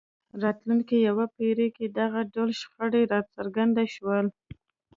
راتلونکې یوې پېړۍ کې دغه ډول شخړې راڅرګند شول.